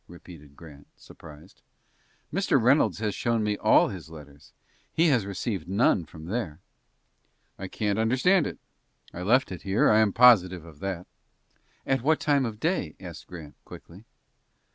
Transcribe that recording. repeated Grant, surprised. "Mr. Reynolds has shown me all his letters. He has received none from there." "I can't understand it. I left it here, I am positive of that." "At what time in the day?" asked Grant, quickly.